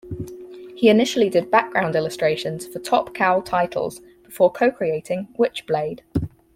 He initially did background illustrations for Top Cow titles before co-creating "Witchblade".